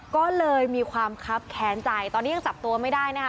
ก็เลยมีความคับแค้นใจตอนนี้ยังจับตัวไม่ได้นะคะ